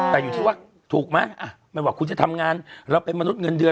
แต่อยู่ที่ว่าถูกไหมไม่ว่าคุณจะทำงานเราเป็นมนุษย์เงินเดือน